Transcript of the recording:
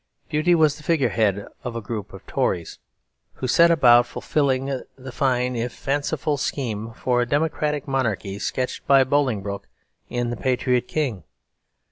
Bute was the figurehead of a group of Tories who set about fulfilling the fine if fanciful scheme for a democratic monarchy sketched by Bolingbroke in "The Patriot King."